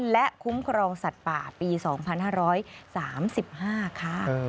และคุ้มครองสัตว์ป่าปี๒๕๓๕ค่ะ